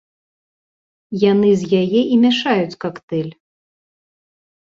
Яны з яе і мяшаюць кактэйль.